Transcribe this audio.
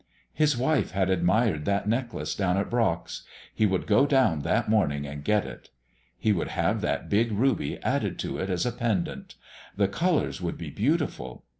His wife had admired that necklace down at Brock's. He would go down that morning and get it. He would have that big ruby added to it as a pendant; the colors would be beautiful.